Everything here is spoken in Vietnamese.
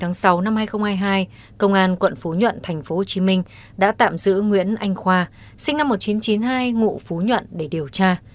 ngày sáu hai nghìn hai mươi hai công an quận phú nhuận tp hcm đã tạm giữ nguyễn anh khoa sinh năm một nghìn chín trăm chín mươi hai ngụ phú nhuận để điều tra